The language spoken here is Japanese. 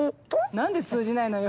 何で通じないのよ。